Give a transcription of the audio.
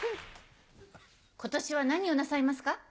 今年は何をなさいますか？